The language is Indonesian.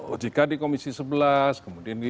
ojk di komisi sebelas kemudian di